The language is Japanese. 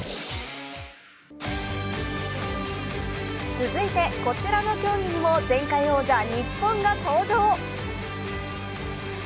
続いて、こちらの競技にも前回王者日本が登場。